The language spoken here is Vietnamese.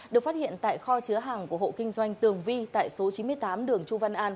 được phát hiện tại kho chứa hàng của hộ kinh doanh tường vi tại số chín mươi tám đường chu văn an